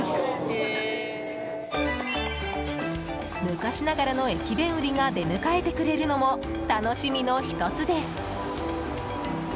昔ながらの駅弁売りが出迎えてくれるのも楽しみの１つです。